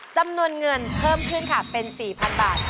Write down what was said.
จำนวนเงินเพิ่มขึ้นค่ะเป็น๔๐๐๐บาท